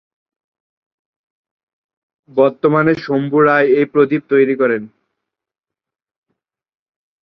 বর্তমানে শম্ভু রায় এই প্রদীপ তৈরি করেন।